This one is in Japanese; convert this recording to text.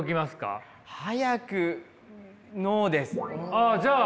あじゃあ。